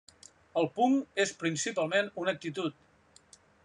El punk és principalment una actitud.